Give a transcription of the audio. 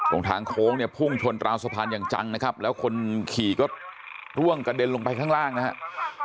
ตรงทางโค้งเนี่ยพุ่งชนราวสะพานอย่างจังนะครับแล้วคนขี่ก็ร่วงกระเด็นลงไปข้างล่างนะครับ